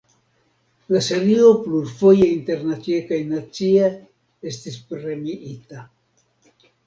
La serio plurfoje internacie kaj nacie estis premiita.